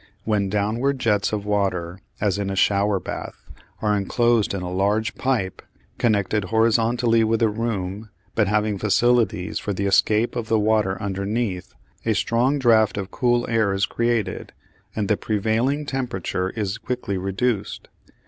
When downward jets of water, as in a shower bath, are enclosed in a large pipe connected horizontally with a room but having facilities for the escape of the water underneath, a strong draught of cool air is created, and the prevailing temperature is quickly reduced.